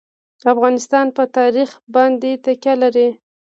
افغانستان په تاریخ باندې تکیه لري.